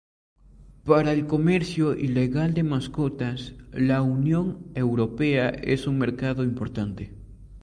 Para el comercio ilegal de mascotas, la Unión Europea es un mercado importante.